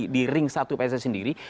di ring satu pss sendiri